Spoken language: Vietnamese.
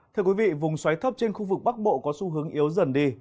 thưa quý vị vùng xoáy thấp trên khu vực bắc bộ có xu hướng yếu dần đi